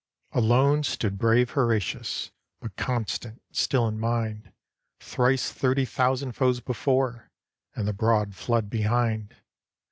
Alone stood brave Horatius, But constant still in mind; Thrice thirty thousand foes before. And the broad flood behind.